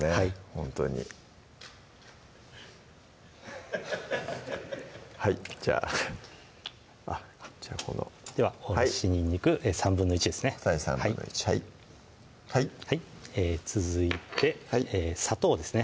ほんとにはいじゃあではおろしにんにく１／３ですね小さじ１／３はい続いて砂糖ですね